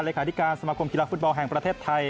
ขาธิการสมาคมกีฬาฟุตบอลแห่งประเทศไทย